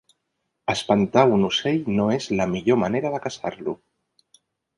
Espantar un ocell no és la millor manera de caçar-lo.